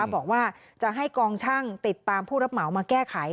บอกว่าจะให้กองช่างติดตามผู้รับเหมามาแก้ไข